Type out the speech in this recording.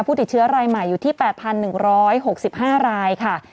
ติดเชื้อรายใหม่อยู่ที่๘๑๖๕รายค่ะ